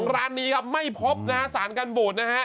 ร้านนี้ครับไม่พบนะฮะสารกันบูดนะฮะ